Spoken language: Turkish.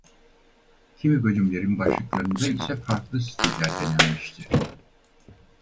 Kimi bölümlerin başlıklarında ise farklı stiller denenmiştir.